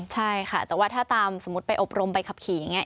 ใช่ค่ะแต่ว่าถ้าตามสมมุติไปอบรมใบขับขี่อย่างนี้